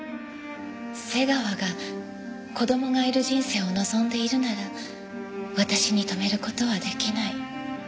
瀬川が子供がいる人生を望んでいるなら私に止める事は出来ない。